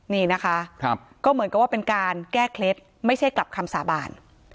นี่นะคะก็เหมือนกับว่าเป็นการแก้เคล็ดไม่ใช่กลับคำสาบาน